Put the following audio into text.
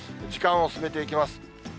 時間を進めていきます。